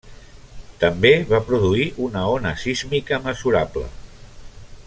També va produir una ona sísmica mesurable.